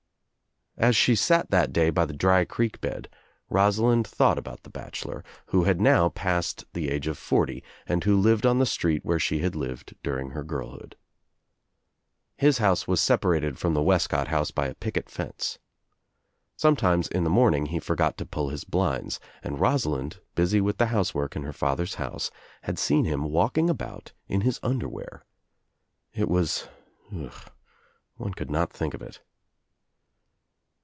As she sat that day by the dry creek bed Rosalind thought about the bachelor, who had now passed the OUT OF NOWHERE INTO NOTHING iSl I Hk^ of forty and who lived on the street where she had ^"lived during her girlhood. His house was separated from the Wescott house by a picket fence. Sometimes in the morning he forgot to pull his blinds and Rosa lind, busy with the housework in her father's house, had seen him walking about in his underwear. It was — uh, one could not think of it.